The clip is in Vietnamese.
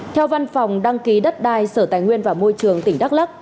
theo văn phòng đăng ký đất đai sở tài nguyên và môi trường tỉnh đắk lắc